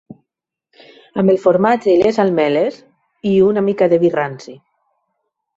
Amb el formatge i les ametlles, i una mica de vi ranci